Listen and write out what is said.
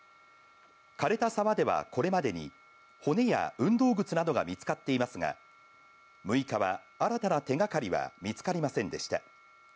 かれた沢では、これまでに、骨や運動靴などが見つかっていますが、６日は新たな手がかりは見つかりませんでした。